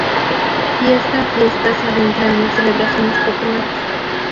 Fiesta Fiesta se adentra en las celebraciones populares.